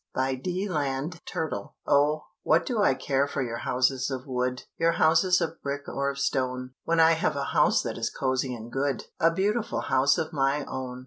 BY D'LAND TURTLE. Oh, what do I care for your houses of wood, Your houses of brick or of stone, When I have a house that is cosy and good A beautiful house of my own?